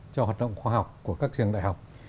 cho hoạt động khoa học của các trường đại học